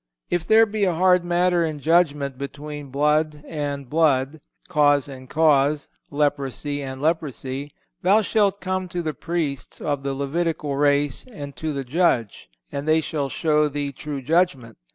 "If there be a hard matter in judgment between blood and blood, cause and cause, leprosy and leprosy, ... thou shalt come to the Priests of the Levitical race and to the judge, ... and they shall show thee true judgment.